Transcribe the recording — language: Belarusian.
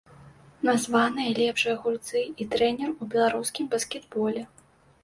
Названыя лепшыя гульцы і трэнер у беларускім баскетболе.